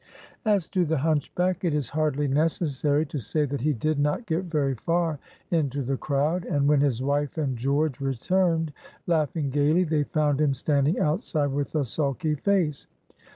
As to the hunchback, it is hardly necessary to say that he did not get very far into the crowd, and when his wife and George returned, laughing gayly, they found him standing outside, with a sulky face.